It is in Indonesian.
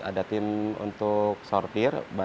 ada tim untuk sortir